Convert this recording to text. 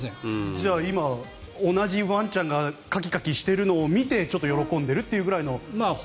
じゃあ今同じワンちゃんがカキカキしているのを見てちょっと喜んでいるぐらいの感じなんですかね。